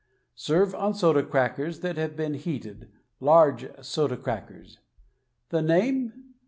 Serve on soda crackers that have been heated — ^large soda crackers. The name?